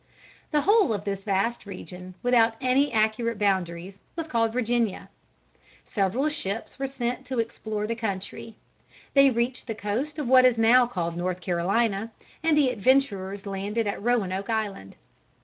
The whole of this vast region without any accurate boundaries, was called Virginia. Several ships were sent to explore the country. They reached the coast of what is now called North Carolina, and the adventurers landed at Roanoke Island.